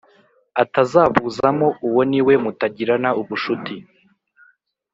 atazabuzamo uwo niwe mutagirana ubushuti